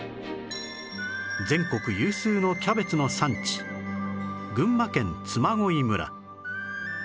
全国有数のキャベツの産地群馬県嬬恋村